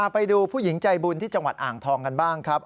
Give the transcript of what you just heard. ไปดูผู้หญิงใจบุญที่จังหวัดอ่างทองกันบ้างครับ